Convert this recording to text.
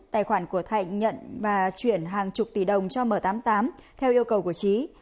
tài khoản của thạnh nhận và chuyển hàng chục tỷ đồng cho m tám mươi tám theo yêu cầu của trí